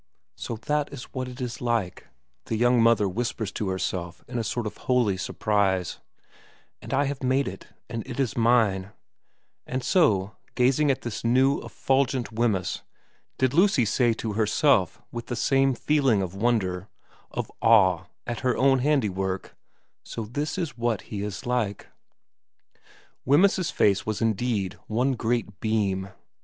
' So that is 61 62 VERA vi what it is like/ the young mother whispers to herself in a sort of holy surprise, ' and I have made it, and it is mine '; and so, gazing at this new, effulgent Wemyss, did Lucy say to herself with the same feeling of wonder, of awe at her own handiwork, ' So that is what he is like.' Wemyss's face was indeed one great beam.